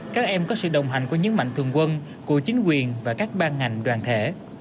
các em có sự đồng hành của những mạnh thường quân của chính quyền và các ban ngành đoàn thể